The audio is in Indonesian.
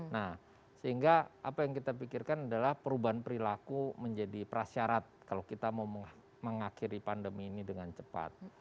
nah sehingga apa yang kita pikirkan adalah perubahan perilaku menjadi prasyarat kalau kita mau mengakhiri pandemi ini dengan cepat